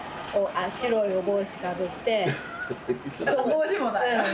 帽子もなん？